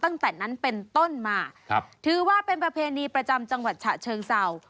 ตั้งแต่นั้นเป็นต้นมาถือว่าเป็นประเพณีประจำจังหวัดฉะเชิงเศร้า